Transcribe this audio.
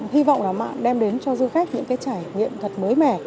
hy vọng đem đến cho du khách những trải nghiệm thật mới mẻ